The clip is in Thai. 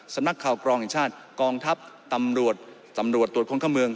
สำนักเขากรองอีชาติกรองทัพตำรวจตรวจคนเข้าเมือง